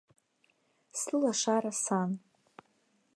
Сылашара сан!